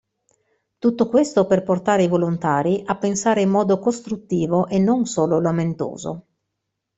Tutto questo per portare i volontari a pensare in modo costruttivo e non solo lamentoso.